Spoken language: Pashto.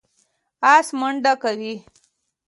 آس منډه کوي.